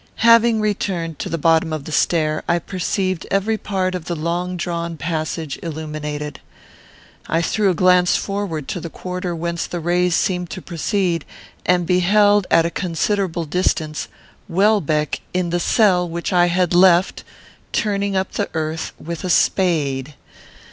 Having returned to the bottom of the stair, I perceived every part of the long drawn passage illuminated. I threw a glance forward to the quarter whence the rays seemed to proceed, and beheld, at a considerable distance, Welbeck in the cell which I had left, turning up the earth with a spade.